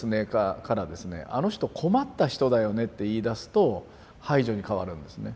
「あの人困った人だよね」って言いだすと排除に変わるんですね。